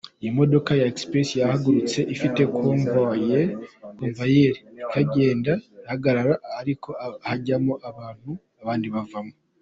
Iyi modoka ya express yahagurutse ifite convuwayeri ikagenda ihagarara ariko hajyamo abantu abandi bavamo.